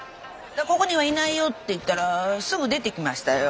「ここにはいないよ」って言ったらすぐ出ていきましたよ。